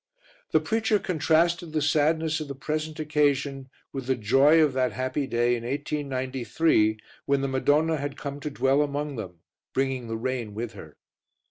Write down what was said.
The preacher contrasted the sadness of the present occasion with the joy of that happy day in 1893 when the Madonna had come to dwell among them, bringing the rain with her.